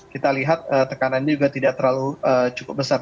kita lihat tekanannya juga tidak terlalu cukup besar